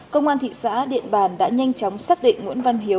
công an thị xã điện bàn đã nhanh chóng xác định nguyễn văn hiếu